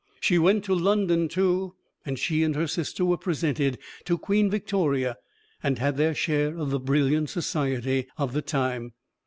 She went to London, too, and she and her sister were presented to Queen Victoria, and had their share of the brilliant society of the time.